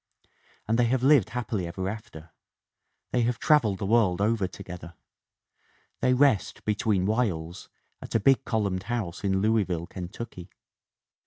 And they have lived happily ever after. They have traveled the world over to gether. They rest, between whiles, at a big, columned house in Louisville, Kentucky.